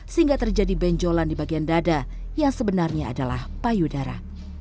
sehingga terjadi benjolan di bagian dada yang sebenarnya adalah payudara